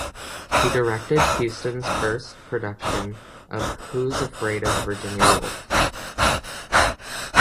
He directed Houston's first production of Who's Afraid of Virginia Woolf?